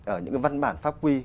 ở những cái văn bản pháp quy